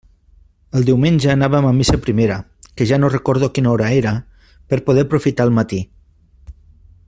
El diumenge anàvem a missa primera, que ja no recordo a quina hora era, per poder aprofitar el matí.